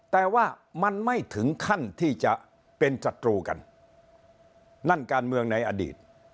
แต่ว่ามันไม่ถึงขั้นที่จะเป็นศัตรูกันนั่นการเมืองในอดีต